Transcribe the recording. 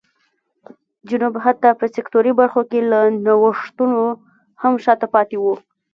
جنوب حتی په سکتوري برخو کې له نوښتونو هم شا ته پاتې و.